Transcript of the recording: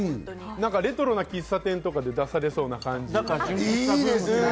レトロな喫茶店とかで出されそうな感じ。